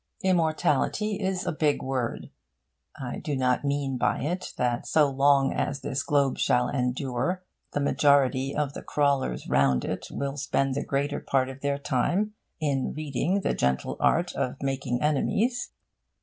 Immortality is a big word. I do not mean by it that so long as this globe shall endure, the majority of the crawlers round it will spend the greater part of their time in reading The Gentle Art of Making Enemies.